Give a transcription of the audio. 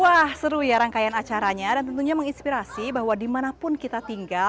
wah seru ya rangkaian acaranya dan tentunya menginspirasi bahwa dimanapun kita tinggal